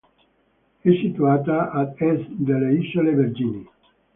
È situata ad est delle Isole Vergini.